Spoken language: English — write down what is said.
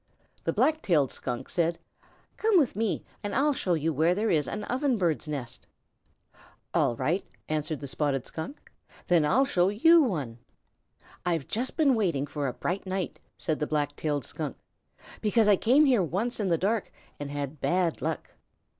The Black tailed Skunk said: "Come with me and I'll show you where there is an Ovenbird's nest." "All right," answered the Spotted Skunk, "and then I'll show you one." "I've just been waiting for a bright night," said the Black tailed Skunk, "because I came here once in the dark and had bad luck."